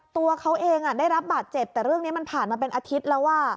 ตัวเขาเองได้รับบาดเจ็บแต่เรื่องนี้มันผ่านมาเป็นอาทิตย์แล้ว